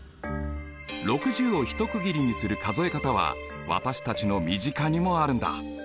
６０を一区切りにする数え方は私たちの身近にもあるんだ。